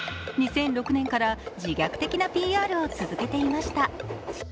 ２００６年から自虐的なＰＲを続けていました。